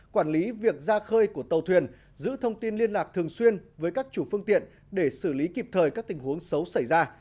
quản lý việc ra khơi của tàu thuyền giữ thông tin liên lạc thường xuyên với các chủ phương tiện để xử lý kịp thời các tình huống xấu xảy ra